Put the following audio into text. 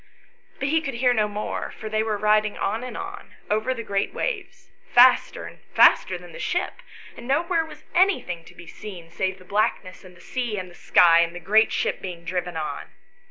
But he could hear no more, for they were riding on and on, over and over the great waves, faster and faster than the ship, and nowhere was anything to be seen save the blackness and the sea and the sky and the great ship being driven on.